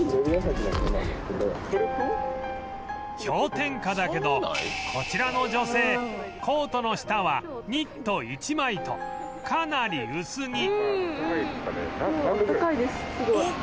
氷点下だけどこちらの女性コートの下はニット１枚とかなり薄着